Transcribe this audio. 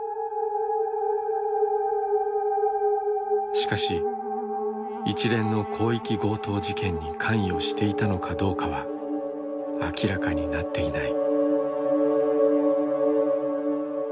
しかし一連の広域強盗事件に関与していたのかどうかは明らかになっていない。